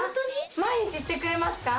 「毎日してくれますか？」